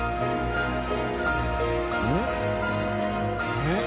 えっ？